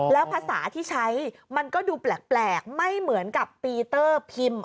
แล้วภาษาที่ใช้มันก็ดูแปลกไม่เหมือนกับปีเตอร์พิมพ์